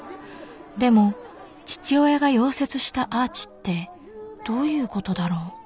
でも父親が溶接したアーチってどういうことだろう。